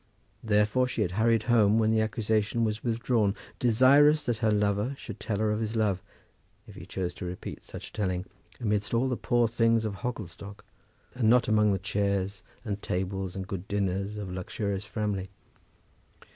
Therefore she had hurried home when that accusation was withdrawn, desirous that her lover should tell her of his love, if he chose to repeat such telling, amidst all the poor things of Hogglestock, and not among the chairs and tables and good dinners of luxurious Framley.